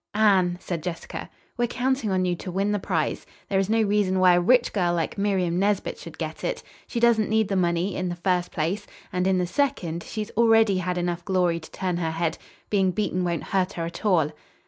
"Anne," said Jessica, "we're counting on you to win the prize. There is no reason why a rich girl like Miriam Nesbit should get it. She doesn't need the money, in the first place; and, in the second, she's already had enough glory to turn her head. Being beaten won't hurt her at all."